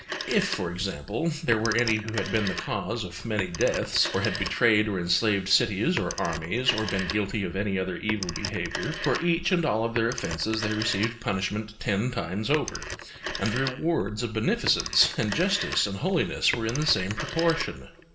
If, for example, there were any who had been the cause of many deaths, or had betrayed or enslaved cities or armies, or been guilty of any other evil behaviour, for each and all of their offences they received punishment ten times over, and the rewards of beneficence and justice and holiness were in the same proportion.